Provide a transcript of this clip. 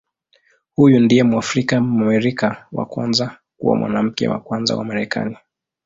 Huyu ndiye Mwafrika-Mwamerika wa kwanza kuwa Mwanamke wa Kwanza wa Marekani.